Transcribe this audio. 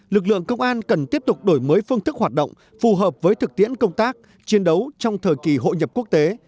lực lượng công an cần tiếp tục đổi mới phương thức hoạt động phù hợp với thực tiễn công tác chiến đấu trong thời kỳ hội nhập quốc tế